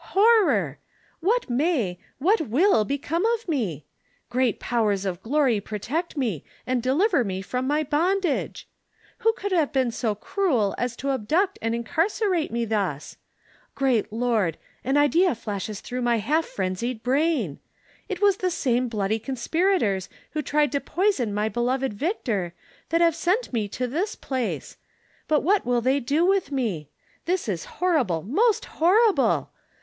horror! What may, what loill become of meV Great powers of glory protect me, and deliver me from my bond age ! Who could have been so cruel as to abduct and incarcerate me thus ? Great Lord ! an idea flashes tln ough my half frenzied brain ! It was the same bloody conspirators^ who tried to poison my beloved Victor, that have sent me to this place ; but, what will they do with me V This is horrible, most horrible